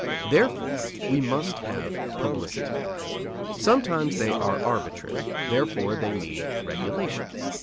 Therefore, we must have publicity. Sometimes they are arbitrary; therefore they need regulation.